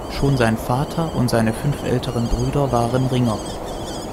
Schon seit Vater und seine fünf älteren Brüder waren Ringer.